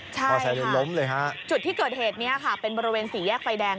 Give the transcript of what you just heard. ใช่ล้มเลยฮะจุดที่เกิดเหตุเนี้ยค่ะเป็นบริเวณสี่แยกไฟแดง